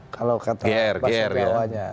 kalau kata bahasa piawanya